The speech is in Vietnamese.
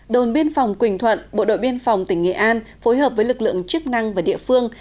đồn biên phòng quỳnh thuận bộ đội biên phòng tỉnh nghệ an phối hợp với lực lượng chức năng và địa phương